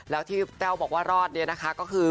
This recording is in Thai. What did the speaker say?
และที่เต้าบอกว่ารอดก็คือ